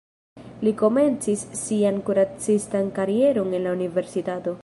Li komencis sian kuracistan karieron en la universitato.